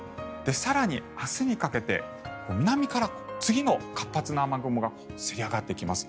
更に、明日にかけて南から次の活発な雨雲がせり上がってきます。